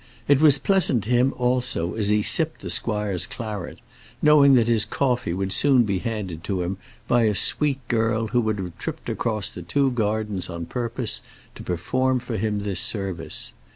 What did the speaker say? It was pleasant to him also as he sipped the squire's claret, knowing that his coffee would soon be handed to him by a sweet girl who would have tripped across the two gardens on purpose to perform for him this service.